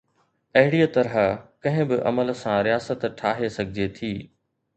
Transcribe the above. اهڙيءَ طرح ڪنهن به عمل سان رياست ٺاهي سگهجي ٿي